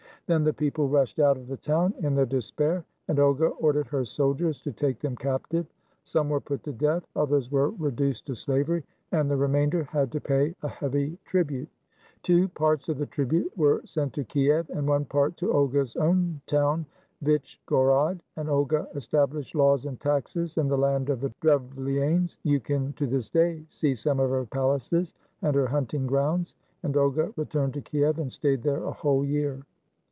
Then the people rushed out of the town in their despair, and Olga ordered her soldiers to take them cap tive. Some were put to death, others were reduced to slavery, and the remainder had to pay a heavy tribute. Two parts of the tribute were sent to Kiev, and one part to Olga's own town, Vychgorod; and Olga established laws and taxes in the land of the Drevlianes. You can to this day see some of her palaces and her hunting grounds. And Olga returned to Kiev and stayed there a whole year.